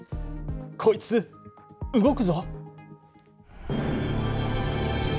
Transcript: こいつ、動くぞ！